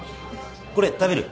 これ食べる？